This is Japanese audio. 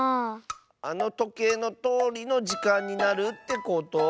あのとけいのとおりのじかんになるってこと？